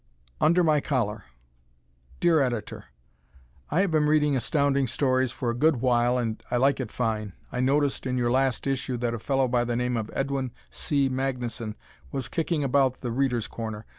"Under My Collar" Dear Editor: I have been reading Astounding Stories for a good while and I like it fine. I noticed in your last issue that a fellow by the name of Edwin C. Magnuson was kicking about "The Readers' Corner."